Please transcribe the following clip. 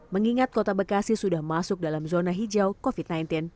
mengingat kota bekasi sudah masuk dalam zona hijau covid sembilan belas